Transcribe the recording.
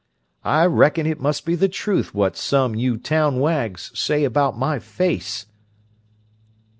I reckon it must be the truth what some you town wags say about my face!"